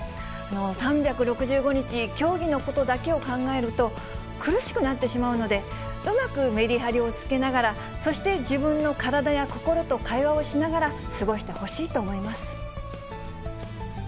３６５日、競技のことだけを考えると、苦しくなってしまうので、うまくメリハリをつけながら、そして自分の体や心と会話をしながら過ごしてほしいと思います。